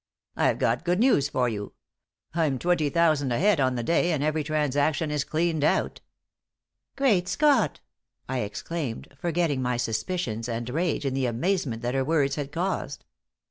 "I've got good news for you. I'm twenty thousand ahead on the day and every transaction is cleaned out." "Great Scott!" I exclaimed, forgetting my suspicions and rage in the amazement that her words had caused.